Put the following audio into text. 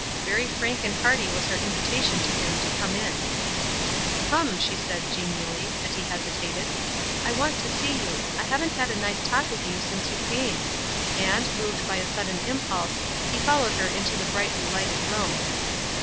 Very frank and hearty was her invitation to him to come in. 102 WISE AND OTHERWISE. "Come," she said, genially, as be hesitated; "I want to see you. I haven't had a nice talk with you since you came," and, moved by a sud den impulse, he followed her into the brightlj lighted room.